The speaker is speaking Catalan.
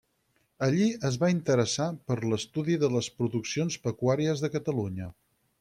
Allí es va interessar per l'estudi de les produccions pecuàries de Catalunya.